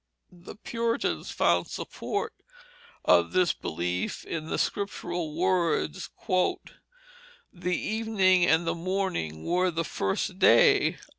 The Puritans found support of this belief in the Scriptural words, "The evening and the morning were the first day."